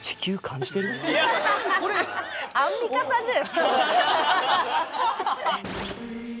アンミカさんじゃないですか。